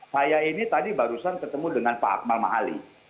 saya ini tadi barusan ketemu dengan pak akmal mahali